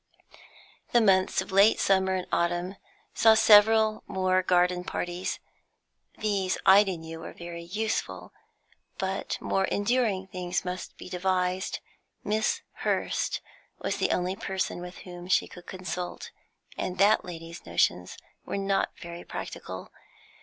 The months of late summer and autumn saw several more garden parties. These, Ida knew, were very useful, but more enduring things must be devised. Miss Hurst was the only person with whom she could consult, and that lady's notions were not very practical.